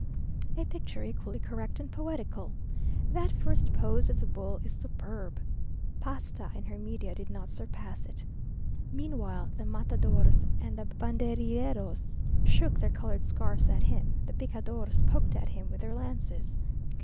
A picture equally correct and poetical. That first pose of the bull is superb! Pasta, in her Medea, did not surpass it. Meanwhile the matadors and the banderilleros shook their coloured scarfs at him the picadors poked at him with their lances.